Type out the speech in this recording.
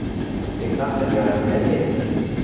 Спектакльым яратедӓ вет?